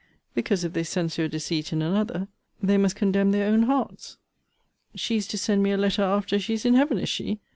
Because, if they censure deceit in another, they must condemn their own hearts. She is to send me a letter after she is in Heaven, is she?